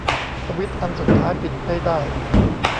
สวิตซ์อันสุดท้ายปิดไม่ได้